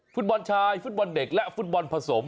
ฟุตบอลชายฟุตบอลเด็กและฟุตบอลผสม